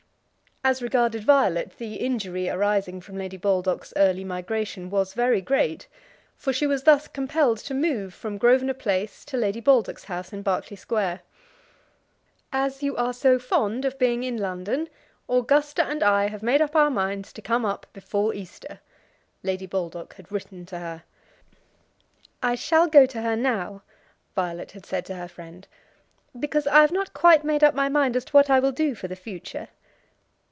As regarded Violet, the injury arising from Lady Baldock's early migration was very great, for she was thus compelled to move from Grosvenor Place to Lady Baldock's house in Berkeley Square. "As you are so fond of being in London, Augusta and I have made up our minds to come up before Easter," Lady Baldock had written to her. "I shall go to her now," Violet had said to her friend, "because I have not quite made up my mind as to what I will do for the future."